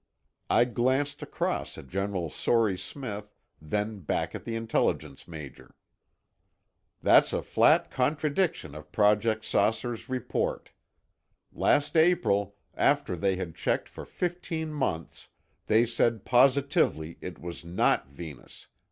I glanced across at General Sory Smith, then back at the intelligence major. "That's a flat contradiction of Project 'Saucer's' report. Last April, after they had checked for fifteen months, they said positively it was not Venus.